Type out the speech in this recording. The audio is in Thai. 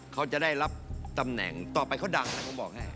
เขาจะได้รับตำแหน่งต่อไปเขาดังนะผมบอกให้